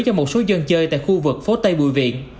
cho một số dân chơi tại khu vực phố tây bùi viện